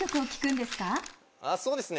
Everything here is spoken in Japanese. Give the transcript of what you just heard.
そうですね